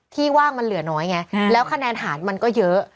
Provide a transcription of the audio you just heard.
ว่างมันเหลือน้อยไงแล้วคะแนนหาดมันก็เยอะ